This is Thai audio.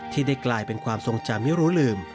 ที่ได้กลายเป็นความทรงจำไม่รู้ลืม